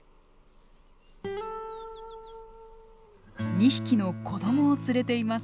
２匹の子どもを連れています。